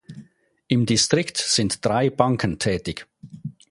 Im Distrikt sind drei Banken tätig.